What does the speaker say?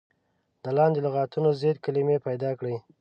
د لاندې لغتونو ضد کلمې پيداکړئ.